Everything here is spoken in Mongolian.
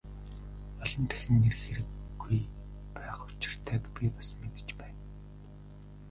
Олон дахин ирэх хэрэггүй байх учиртайг би бас мэдэж байна.